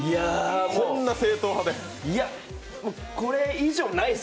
こんな正統派で。